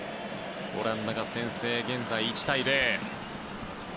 オランダが先制して現在１対０。